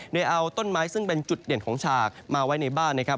โดยเอาต้นไม้ซึ่งเป็นจุดเด่นของฉากมาไว้ในบ้านนะครับ